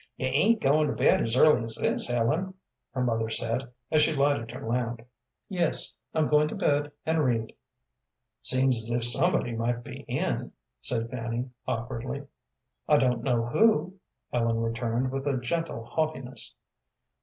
"You ain't goin' to bed as early as this, Ellen?" her mother said, as she lighted her lamp. "Yes, I'm going to bed and read." "Seems as if somebody might be in," said Fanny, awkwardly. "I don't know who," Ellen returned, with a gentle haughtiness.